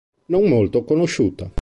Non molto conosciuta.